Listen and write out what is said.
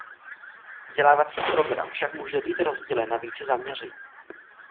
Vzdělávací program však může být rozdělen na více zaměření.